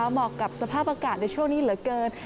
เหมาะกับสภาพอากาศในช่วงนี้เหลือเกิน